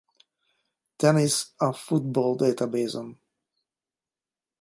Dennis a FootballDatabase-on